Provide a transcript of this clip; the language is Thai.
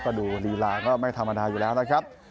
ก็ดูลีลาก็ไม่ธรรมดาอยู่แล้วนะครับ